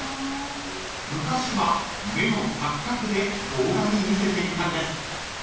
［昔は目の錯覚で動画に見せていたんです］